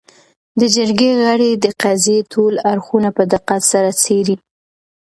. د جرګې غړي د قضیې ټول اړخونه په دقت سره څېړي